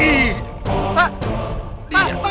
pak pak pak pak